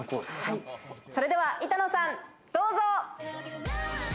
それでは板野さん、どうぞ。